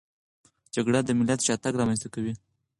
جګړه د ملت شاتګ رامنځته کوي.